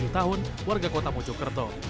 lima puluh tujuh tahun warga kota mojokerto